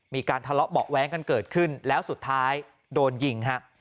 มีการทะเลาะเบาะแว้งกันเกิดขึ้นแล้วสุดท้ายโดนยิงฮะ